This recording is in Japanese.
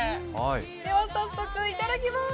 では早速、いただきます。